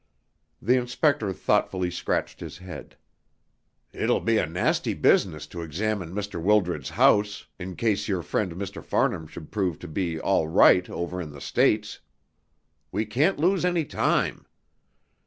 The inspector thoughtfully scratched his head. "It'll be a nasty business to examine Mr. Wildred's house, in case your friend Mr. Farnham should prove to be all right over in the States. But we can't lose any time.